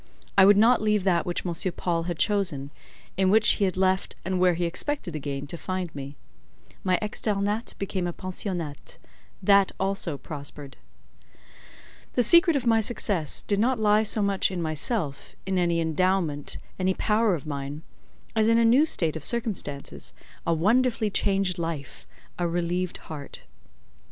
I would not leave that which M. Paul had chosen, in which he had left, and where he expected again to find me. My externat became a pensionnat; that also prospered. The secret of my success did not lie so much in myself, in any endowment, any power of mine, as in a new state of circumstances, a wonderfully changed life, a relieved heart.